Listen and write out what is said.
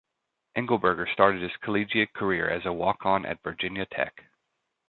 Engelberger started his collegiate career as a walk-on at Virginia Tech.